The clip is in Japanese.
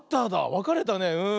わかれたねうん。